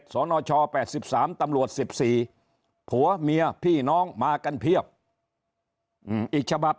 สนช๘๓ตำรวจ๑๔ผัวเมียพี่น้องมากันเพียบอีกฉบับ